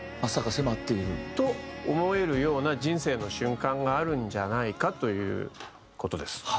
朝が迫っている。と思えるような人生の瞬間があるんじゃないかという事です。